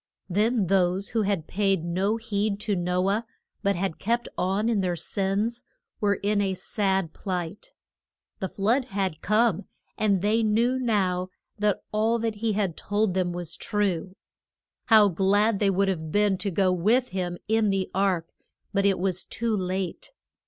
Then those who had paid no heed to No ah, but had kept on in their sins, were in a sad plight. The flood had come, and they knew now that all that he had told them was true. How glad they would have been to go with him in the ark. But it was too late.